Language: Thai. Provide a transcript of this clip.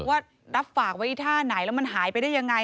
ว่ารับฝากไว้ท่าไหนแล้วมันหายไปได้ยังไง